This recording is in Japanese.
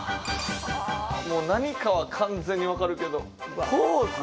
もう何かは完全にわかるけど。